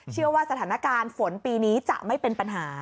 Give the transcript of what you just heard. สถานการณ์ฝนปีนี้จะไม่เป็นปัญหา